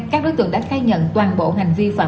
các đối tượng đã khai nhận toàn bộ hành vi phạm